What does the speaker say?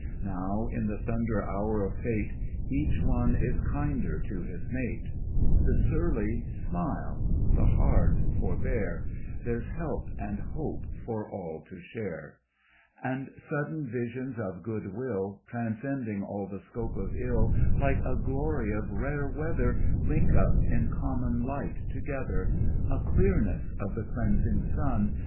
Now in the thunder hour of fate Each one is kinder to his mate ; The surly smile ; the hard forbear ; There's help and hope for all to share ; Digitized by Google 12 STRANGE FRUIT And sudden visions of goodwill Transcending all the scope of ill Like a glory of rare weather Link us in common light together, A clearness of the cleansing sim.